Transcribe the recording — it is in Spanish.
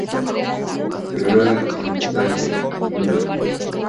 Granada antitanque No.